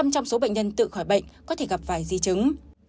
một mươi trong số bệnh nhân tự khỏi bệnh có thể gặp phải di chứng